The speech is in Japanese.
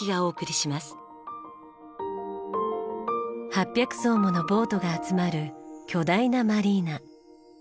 ８００艘ものボートが集まる巨大なマリーナ。